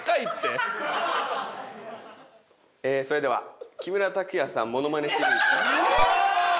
それでは木村拓哉さんものまねシリーズ。